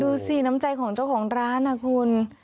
ดูสิน้ำใจของเจ้าของร้านนะคุณ